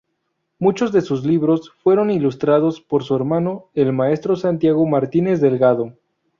Muchos de sus libros fueron ilustrados por su hermano el Maestro Santiago Martínez Delgado.